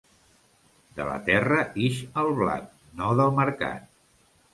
De la terra ix el blat, no del mercat.